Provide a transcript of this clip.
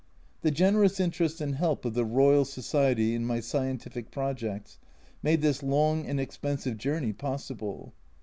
The generous interest and help of the Royal Society in my scientific projects made this long and expensive journey possible.